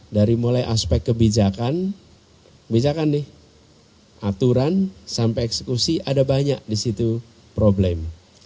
dari mulai aspek kebijakan misalkan nih aturan sampai eksekusi ada banyak di situ problem